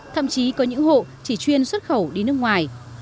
thậm chí có những hộ chỉ chuyên xuất khẩu đi nước ngoài